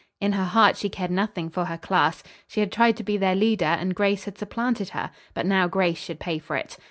In her heart she cared nothing for her class. She had tried to be their leader, and Grace had supplanted her, but now Grace should pay for it.